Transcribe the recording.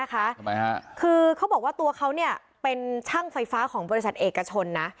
คือเขาบอกว่าตัวเขาเป็นช่างไฟฟ้าของบริษัทเอกชนนะ